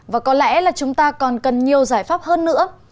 và có lẽ là chúng ta còn cần nhiều giải pháp hơn nữa